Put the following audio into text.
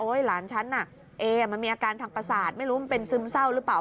หลานฉันน่ะเอมันมีอาการทางประสาทไม่รู้มันเป็นซึมเศร้าหรือเปล่า